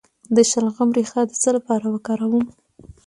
د شلغم ریښه د څه لپاره وکاروم؟